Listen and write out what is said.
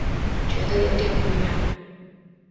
觉得有点无聊